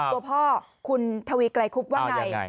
ตัวพ่อคุณทวีไกลคุบว่าไง